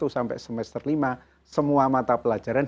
satu sampai semester lima semua mata pelajaran